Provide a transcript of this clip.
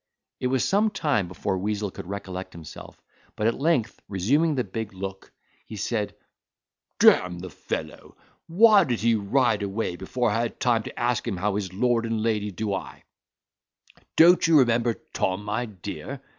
It was some time before Weazel could recollect himself, but at length reassuming the big look, he said, "D—n the fellow! why did he ride away before I had time to ask him how his lord and lady do? Don't you remember Tom, my dear?"